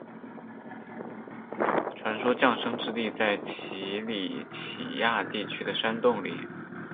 传说降生之地在奇里乞亚地区的山洞里。